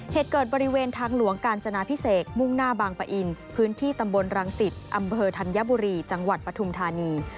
เหตุเกิดบริเวณทางหลวงกาญจนาพิเศษมุ่งหน้าบางปะอินพื้นที่ตำบลรังสิตอำเภอธัญบุรีจังหวัดปฐุมธานี